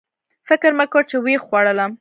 فکر مې وکړ چې ویې خوړلم